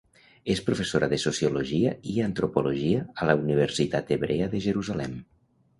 És professora de sociologia i antropologia a la Universitat Hebrea de Jerusalem.